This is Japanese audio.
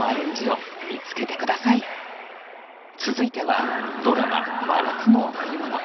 続いてはドラマ「真夏の贈りもの」。